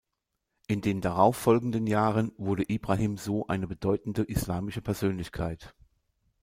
In den darauf folgenden Jahren wurde Ibrahim so eine bedeutende islamische Persönlichkeit.